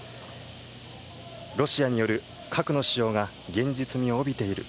ロシアによる核の使用が現実味を帯びている